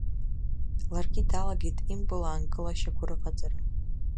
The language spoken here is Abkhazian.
Ларгьы далагеит импылаанкылашьақәа рыҟаҵара.